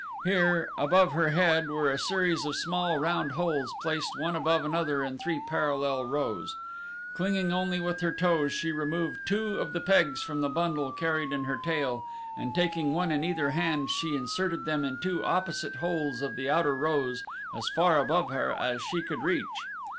Here, above her head, were a series of small round holes placed one above another in three parallel rows. Clinging only with her toes she removed two of the pegs from the bundle carried in her tail and taking one in either hand she inserted them in two opposite holes of the outer rows as far above her as she could reach.